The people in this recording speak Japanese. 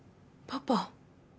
パパ。